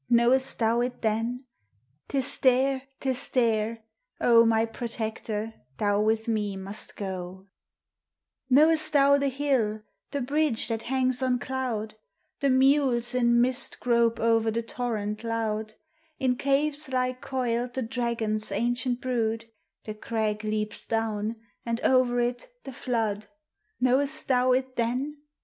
Know'st thou it then ? T is there! T LS there, O my protector, thou with nae must go! 3U POEMS OF SEXTIAIEXT. " Know'st thou the hill, the bridge that hangs ofi. cloud ? The mules in mist grope o'er the torrent loud, In caves lie coiled the dragon's ancient brood, The crag leaps down, and over it the flood : Know'st thou it then